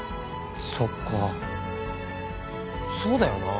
そっかそうだよな。